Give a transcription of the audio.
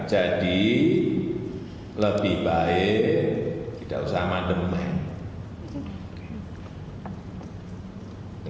jadi lebih baik tidak usah mandem mandem